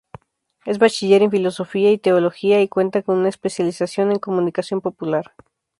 Es bachiller en Filosofía y Teología y cuenta con una especialización en Comunicación Popular.